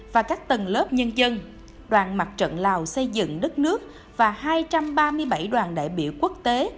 và các tầng lớp nhân dân đoàn mặt trận lào xây dựng đất nước và hai trăm ba mươi bảy đoàn đại biểu quốc tế